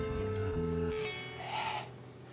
えっ！？